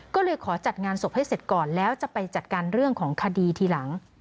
ก็เลยขอจัดงานศพให้เสร็จก่อนแล้วจะไปจัดการเรื่องของคดีทีหลัง